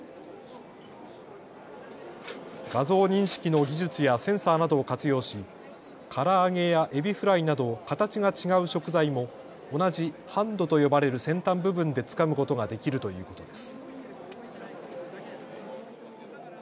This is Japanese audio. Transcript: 画像認識の技術やセンサーなどを活用しから揚げやエビフライなど形が違う食材も同じハンドと呼ばれる先端部分でつかむことができるということです。